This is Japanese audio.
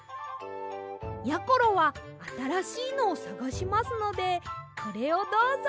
やころはあたらしいのをさがしますのでこれをどうぞ。